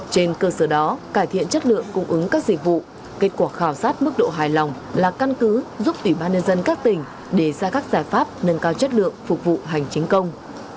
trên cơ sở đó cải thiện chất lượng cung ứng các dịch vụ kết quả khảo sát mức độ hài lòng là căn cứ giúp ủy ban nhân dân các tỉnh để ra các giải pháp nâng cao chất lượng phục vụ hành chính công